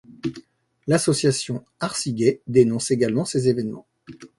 L'association Arcigay dénonce également ces évènements.